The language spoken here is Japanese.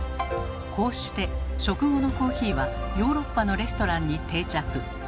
こうして食後のコーヒーはヨーロッパのレストランに定着。